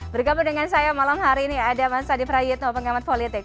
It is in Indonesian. bergabung dengan saya malam hari ini ada mas adi prayitno pengamat politik